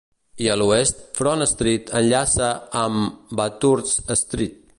I a l'oest, Front Street enllaça amb Bathurst Street.